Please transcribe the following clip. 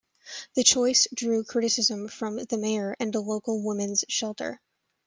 The choice drew criticism from the mayor and a local women's shelter.